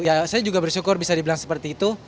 ya saya juga bersyukur bisa dibilang seperti itu